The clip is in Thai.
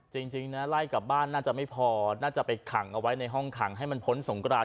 จริงนะไล่กลับบ้านน่าจะไม่พอน่าจะไปขังเอาไว้ในห้องขังให้มันพ้นสงกราน